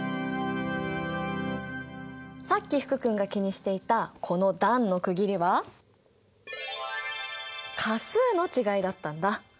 さっき福君が気にしていたこの段の区切りは価数の違いだったんだ。